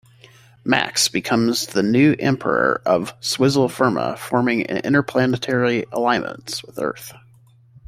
Max becomes the new emperor of Swizzle Firma, forming an interplanetary alliance with Earth.